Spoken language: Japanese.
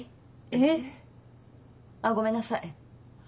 えっ。あっごめんなさい。